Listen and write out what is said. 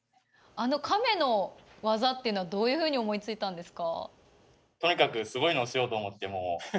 あのカメの技っていうのはどういうふうに思いついたんですか？